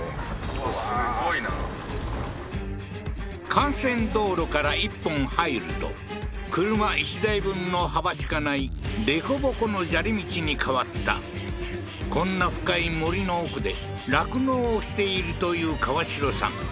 幹線道路から１本入ると車１台分の幅しかない凸凹の砂利道に変わったこんな深い森の奥で酪農をしているというカワシロさん